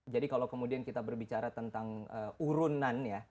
jadi kalau kemudian kita berbicara tentang urunan ya